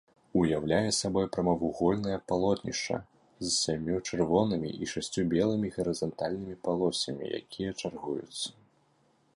Уяўляе сабой прамавугольнае палотнішча з сямю чырвонымі і шасцю белымі гарызантальнымі палосамі, якія чаргуюцца.